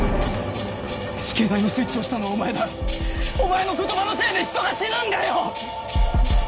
死刑台のスイッチ押したのはお前だお前の言葉のせいで人が死ぬんだよ！